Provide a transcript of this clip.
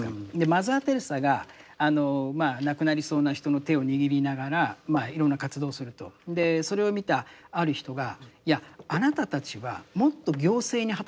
マザー・テレサが亡くなりそうな人の手を握りながらいろんな活動をすると。それを見たある人がいやあなたたちはもっと行政に働きかけるべきだって。